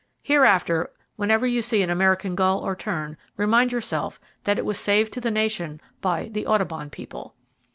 Hereafter, whenever you see an American gull or tern, remind yourself that it was saved to the nation by "the Audubon people."